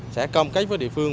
sẽ công cách với địa phương